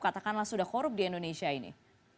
katakanlah sudah korup di indonesia ini